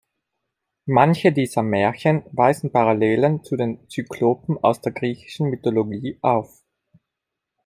Manche dieser Märchen weisen Parallelen zu den Zyklopen aus der griechischen Mythologie auf.